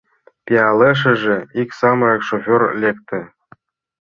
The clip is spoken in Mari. Пиалешыже, ик самырык шофёр лекте.